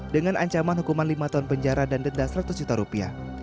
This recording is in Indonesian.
dengan ancaman hukuman lima tahun penjara dan denda seratus juta rupiah